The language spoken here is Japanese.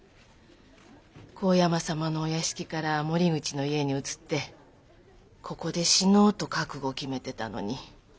神山様のお屋敷から森口の家に移ってここで死のうと覚悟決めてたのに。